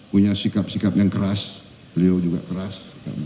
punya sikap sikap yang keras beliau juga keras